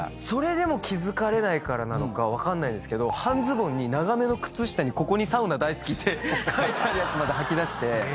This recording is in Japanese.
それでも気付かれないからか分かんないですけど半ズボンに長めの靴下にここに「サウナ大好き」って書いてあるやつまではきだして。